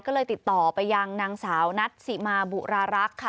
ก็เลยติดต่อไปยังนางสาวนัทสิมาบุรารักษ์ค่ะ